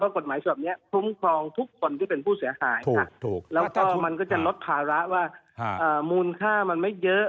กฎหมายฉบับนี้คุ้มครองทุกคนที่เป็นผู้เสียหายค่ะแล้วก็มันก็จะลดภาระว่ามูลค่ามันไม่เยอะ